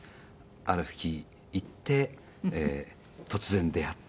ある日、行って突然出会って。